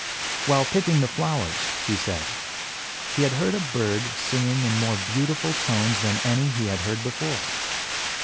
While picking the flowers, he said, he had heard a bird singing in more beautiful tones than any he had heard before.